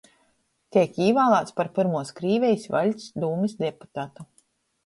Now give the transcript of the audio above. Teik īvālāts par Pyrmuos Krīvejis Vaļsts dūmis deputatu,